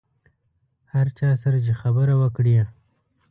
هر چا سره چې خبره وکړې.